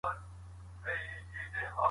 تعقل له بې فکرۍ څخه غوره دی.